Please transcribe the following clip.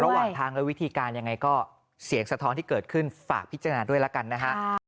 ระหว่างทางและวิธีการยังไงก็เสียงสะท้อนที่เกิดขึ้นฝากพิจารณาด้วยแล้วกันนะฮะ